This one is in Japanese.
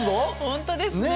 本当ですね。